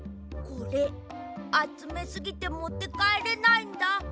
これあつめすぎてもってかえれないんだ。